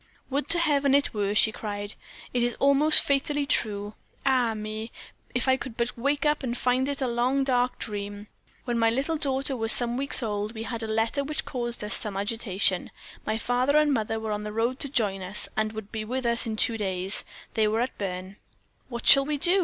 "Would to Heaven it were!" she cried. "It is all most fatally true. Ah! me, if I could but wake up and find it a long, dark dream! When my little daughter was some weeks old, we had a letter which caused us some agitation; my father and mother were on the road to join us, and would be with us in two days. They were then at Berne. "What shall we do?"